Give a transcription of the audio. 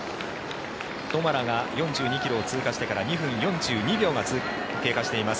トマラが４２ｋｍを通過してから２分４２秒が経過しています。